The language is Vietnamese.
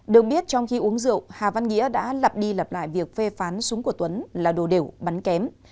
được biết trong khi uống rượu hà văn nghĩa đã lặp đi lặp lại việc phê phán súng của tuấn là đồ đẻo bắn kém